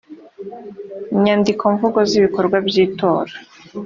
nyandikomvugo z ibikorwa by itora